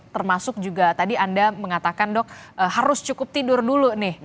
termasuk juga tadi anda mengatakan dok harus cukup tidur dulu nih